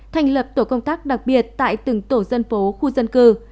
thành lập tổ công tác đặc biệt tại từng tổ dân phố khu dân cư